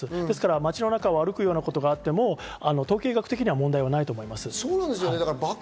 街の中を歩くようなことがあっても、統計学的には問題がないと思います。